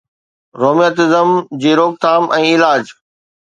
rheumatism جي روڪٿام ۽ علاج